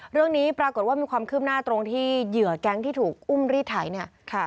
เรื่องนี้ปรากฏว่ามีความคืบหน้าตรงที่เหยื่อแก๊งที่ถูกอุ้มรีดไถเนี่ย